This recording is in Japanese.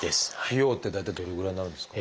費用って大体どれぐらいになるんですか？